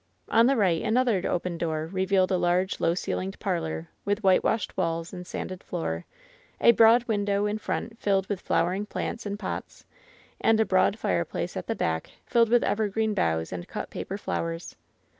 On the right another open door revealed a large low ceiled parlor, with whitewashed walls and sanded floor, a broad window in front filled with flowering plants in pots, and a broad fireplace at the back filled with ever green boughs and cut paper flowers.